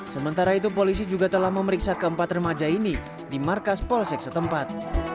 sementara itu polisi juga telah memeriksa keempat remaja ini di markas polsek setempat